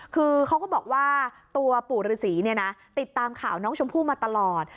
คือเขาก็บอกว่าตัวปู่ฤษีเนี่ยนะติดตามข่าวน้องชมพู่มาตลอด